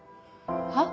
はっ？